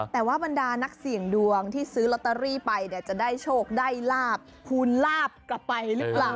แต่ว่าบรรดานักเสี่ยงดวงที่ซื้อลอตเตอรี่ไปเนี่ยจะได้โชคได้ลาบคูณลาบกลับไปหรือเปล่า